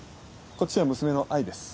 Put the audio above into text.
こっちが娘の愛です。